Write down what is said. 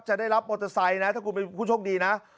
ได้รับมอเตอร์ไซค์นะถ้าคุณเป็นผู้โชคดีนะ